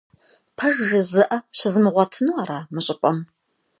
Пэж жызыӀэ щызмыгъуэтыну ара мы щӀыпӀэм?